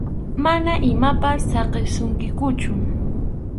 Mana imatapas saqisunkikuchu.